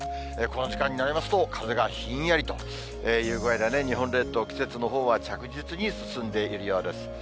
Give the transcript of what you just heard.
この時間になりますと、風がひんやりという具合でね、日本列島、季節のほうは着実に進んでいるようです。